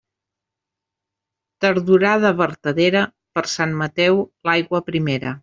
Tardorada vertadera, per Sant Mateu l'aigua primera.